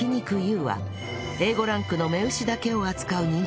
ｕ は Ａ５ ランクの雌牛だけを扱う人気店